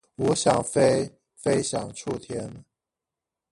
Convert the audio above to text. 吾想飛非想觸天